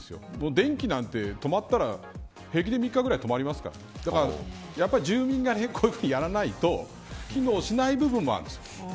電気なんて止まったら平気で３日ぐらい止まりますからやっぱり住民がこういうふうにやらないと機能しない部分もあるんです。